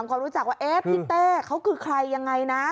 ความรู้จักว่าเอ๊ะพี่เต้เขาคือใครยังไงนะ